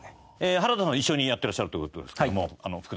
原田さん一緒にやってらっしゃるという事ですけども福田さんと。